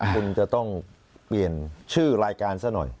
คุณจะต้องเปลี่ยนชื่อรายการซะหน่อย